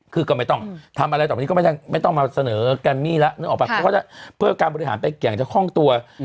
คือก็ไม่ต้องทำอะไรต่อไปก็ไม่ต้องมาเสนอกันมี่ละเพื่อการบริหารไปแก่งจะคล่องตัว